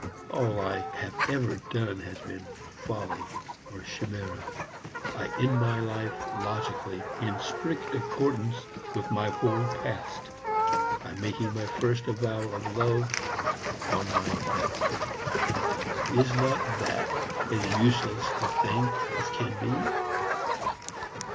All I have ever done has been folly or chimera. I end my life logically, in strict accordance with my whole Past, by making my first avowal of love on my deathbed. Is not that as useless a thing as can be?"